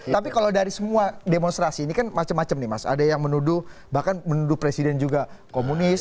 tapi kalau dari semua demonstrasi ini kan macam macam nih mas ada yang menuduh bahkan menuduh presiden juga komunis